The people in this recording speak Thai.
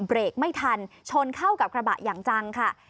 เบรกไม่ทันชนเข้ากับกระบะอย่างจังค่ะ